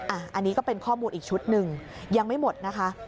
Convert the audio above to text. อันนี้ก็เป็นข้อมูลอีกชุดหนึ่งยังไม่หมดนะคะ